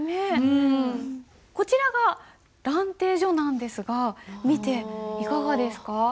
こちらが「蘭亭序」なんですが見ていかがですか？